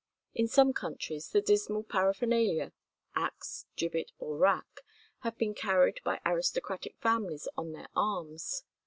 In some countries the dismal paraphernalia—axe, gibbet, or rack—have been carried by aristocratic families on their arms.